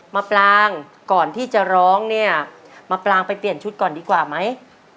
มาปลางก่อนที่จะร้องเนี่ยมะปรางไปเปลี่ยนชุดก่อนดีกว่าไหม